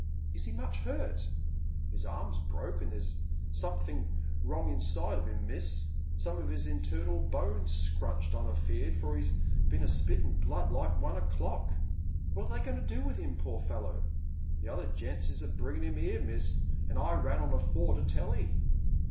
" Is he mv.ch hurt ?"" His arm's broke, and there's somethink wrong inside of 'im, miss, some of his internal bones scrunched, I'm afeard, for he's been a spitting blood like one o'clock." "What are they going to do with him, poor fellow ?" "The other gents is a bringin' him 'ere, miss, and I ran on afore to tell 'ee."